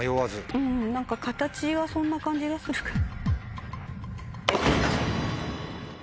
うん何か形がそんな感じがするから。